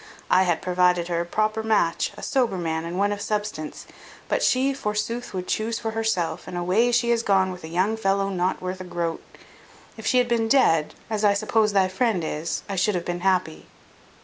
I had provided her a proper match, a sober man and one of substance; but she, forsooth, would chuse for herself, and away she is gone with a young fellow not worth a groat. If she had been dead, as I suppose thy friend is, I should have been happy."